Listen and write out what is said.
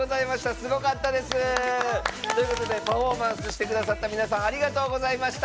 すごかったです！ということでパフォーマンスしてくださった皆さんありがとうございました。